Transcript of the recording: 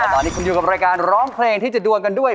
ตอนนี้คุณอยู่กับรายการร้องเพลงที่จะดวงกันด้วย